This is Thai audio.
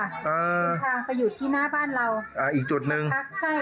เดินทางไปหยุดที่หน้าบ้านเราอ่าอีกจุดหนึ่งพักใช่